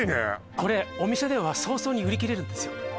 これお店では早々に売り切れるんですよ